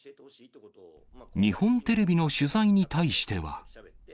日本テレビの取材に対しては。